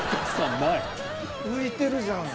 浮いてるじゃん。